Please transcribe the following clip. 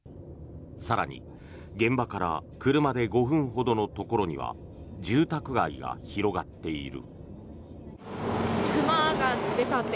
更に、現場から車で５分ほどのところには住宅街が広がっている。